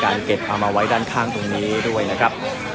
การประตูกรมทหารที่สิบเอ็ดเป็นภาพสดขนาดนี้นะครับ